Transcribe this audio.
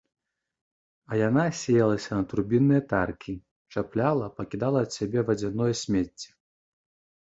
А яна сеялася на турбінныя таркі, чапляла, пакідала ад сябе вадзяное смецце.